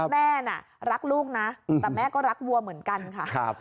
แม่น่ะรักลูกนะแต่แม่ก็รักวัวเหมือนกันค่ะ